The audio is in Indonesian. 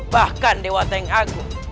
bahkan dewa tengku